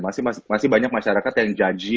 masih banyak masyarakat yang janji